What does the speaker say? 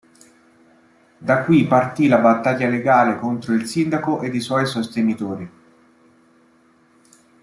Da qui partì la battaglia legale contro il sindaco ed i suoi sostenitori.